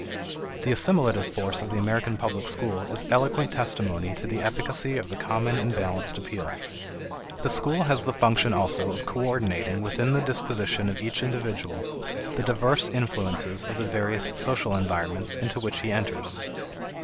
The assimilative force of the American public school is eloquent testimony to the efficacy of the common and balanced appeal. The school has the function also of coordinating within the disposition of each individual the diverse influences of the various social environments into which he enters.